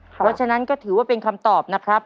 เพราะฉะนั้นก็ถือว่าเป็นคำตอบนะครับ